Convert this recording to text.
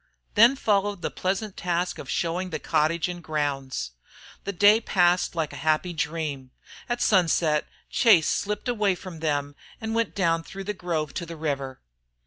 Then followed the pleasant task of showing the cottage and grounds. The day passed like a happy dream. At sunset Chase slipped away from them and went down through the grove to the river.